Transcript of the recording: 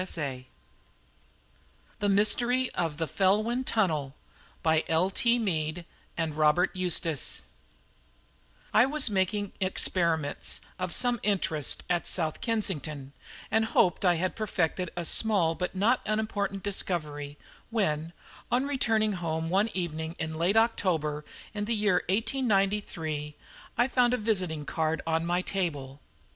III THE MYSTERY OF THE FELWYN TUNNEL I was making experiments of some interest at South Kensington, and hoped that I had perfected a small but not unimportant discovery, when, on returning home one evening in late October in the year 1893, I found a visiting card on my table.